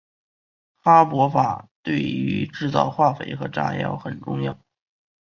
哈柏法对于制造化肥和炸药很重要。